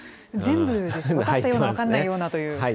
分かったような分かんないようなという。